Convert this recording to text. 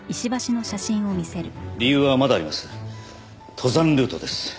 登山ルートです。